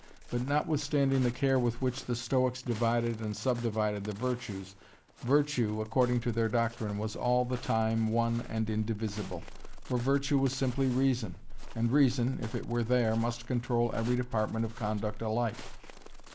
But notwithstanding the care with which the Stoics divided and subdivided the virtues, virtue, according to their doctrine, was all the time one and indivisible. For virtue was simply reason and reason, if it were there, must control every department of conduct alike.